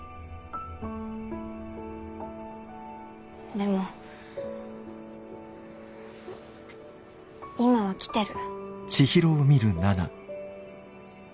でも今は来てる。